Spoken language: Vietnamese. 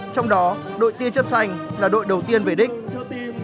trong đó đội tia chấp xanh là đội đầu tiên về đích